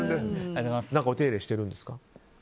何かお手入れしてるんですか？